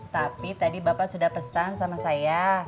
tapi tadi bapak sudah pesan sama saya